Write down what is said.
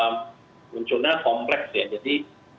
munculnya kompleks ya jadi